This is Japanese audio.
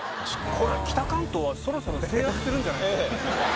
これ北関東はそろそろ制圧するんじゃないですか。